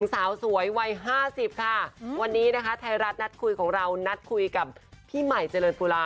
สาวสวยวัย๕๐ค่ะวันนี้นะคะไทยรัฐนัดคุยของเรานัดคุยกับพี่ใหม่เจริญตุลา